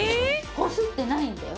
こすってないんだよ。